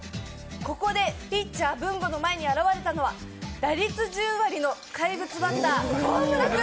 ここで、ピッチャー・文吾の前に現れたのは打率１０割の怪物バッター・河村君。